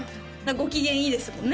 ご機嫌いいですもんね